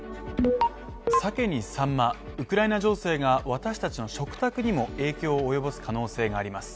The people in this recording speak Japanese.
サケにサンマ、ウクライナ情勢が私達の食卓にも影響を及ぼす可能性があります。